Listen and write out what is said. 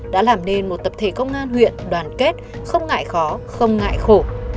đã làm nên một tập thể công an huyện đoàn kết không ngại khó không ngại khổ